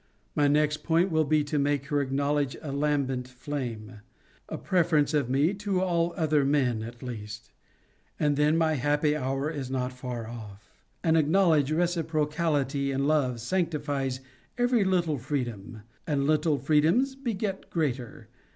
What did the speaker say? My next point will be to make her acknowledge a lambent flame, a preference of me to all other men, at least: and then my happy hour is not far off. An acknowledged reciprocality in love sanctifies every little freedom: and little freedoms beget greater.